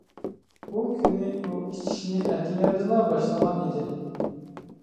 ئۇ كۈنى ئۇ ئىچىشنى ئەتىگەندىلا باشلىغان ئىدى.